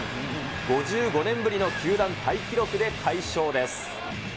５５年ぶりの球団タイ記録で快勝です。